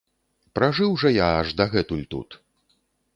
Пражыў жа я аж дагэтуль тут.